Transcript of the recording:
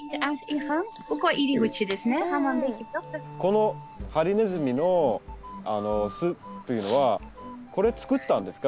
このハリネズミの巣っていうのはこれ作ったんですか？